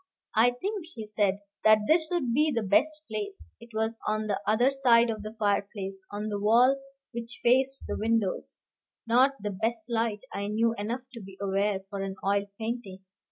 "I think," he said, "that this would be the best place." It was on the other side of the fireplace, on the wall which faced the windows, not the best light, I knew enough to be aware, for an oil painting.